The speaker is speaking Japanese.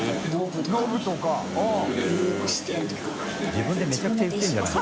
自分でめちゃくちゃ言ってるじゃない。